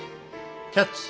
「キャッチ！